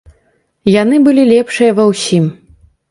Яны былі лепшыя ва ўсім.